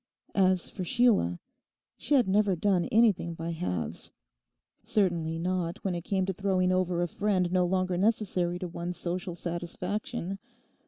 As for Sheila, she had never done anything by halves; certainly not when it came to throwing over a friend no longer necessary to one's social satisfaction.